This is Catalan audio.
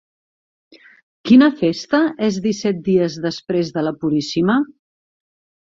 Quina festa és disset dies després de la Puríssima?